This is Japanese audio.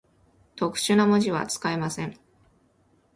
特殊な文字は、使えません。